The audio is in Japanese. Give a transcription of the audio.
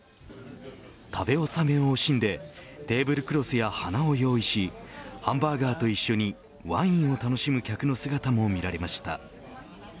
食べ納めを惜しんでテーブルクロスや花を用意しハンバーガーと一緒にワインを楽しむ客の姿も見られました。